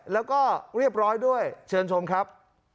แล้วก็เรียบร้อยด้วยเชิญชมครับ